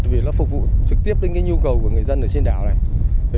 vì nó phục vụ trực tiếp đến cái nhu cầu của người dân ở trên đảo này